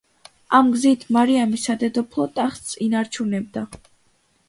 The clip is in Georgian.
ამ გზით მარიამი სადედოფლო ტახტს ინარჩუნებდა.